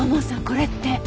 これって。